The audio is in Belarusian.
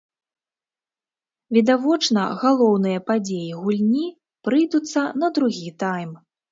Відавочна, галоўныя падзеі гульні прыйдуцца на другі тайм!